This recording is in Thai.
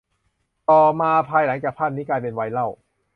ต่อมา ภายหลังจากภาพนี้กลายเป็นไวรัล